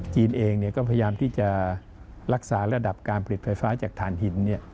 จีนเองก็พยายามที่จะรักษาระดับการผลิตไฟฟ้าจากฐานหิน